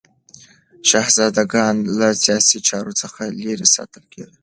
شهزادګان له سیاسي چارو څخه لیرې ساتل کېدل.